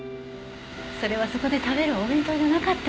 それはそこで食べるお弁当じゃなかったのよ。